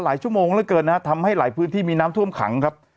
ชั่วโมงเหลือเกินนะฮะทำให้หลายพื้นที่มีน้ำท่วมขังครับ